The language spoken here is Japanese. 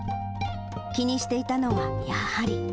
気にしていたのはやはり。